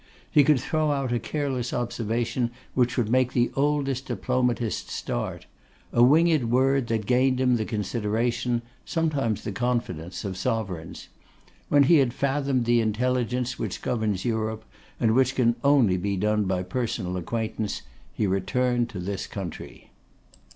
He could throw out a careless observation which would make the oldest diplomatist start; a winged word that gained him the consideration, sometimes the confidence, of Sovereigns. When he had fathomed the intelligence which governs Europe, and which can only be done by personal acquaintance, he returned to this country.